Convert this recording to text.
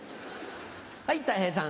はいたい平さん。